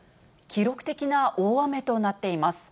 記録的な大雨となっています。